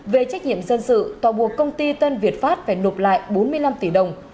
về trách nhiệm dân sự tòa buộc công ty tân việt pháp phải nộp lại bốn mươi năm tỷ đồng